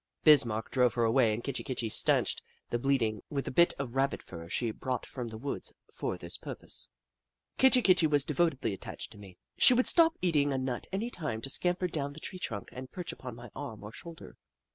Bismarck drove her away and Kitchi Kitchi stanched the bleeding with a bit of Rabbit fur she brought from the woods for the purpose. Kitchi Kitchi was devotedly attached to me. She would stop eating a nut any time to scam per down the tree trunk and perch upon my arm or shoulder.